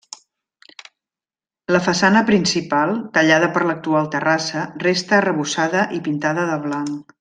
La façana principal, tallada per l'actual terrassa, resta arrebossada i pintada de blanc.